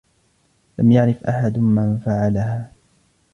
لم يعرف أحد من فعلها.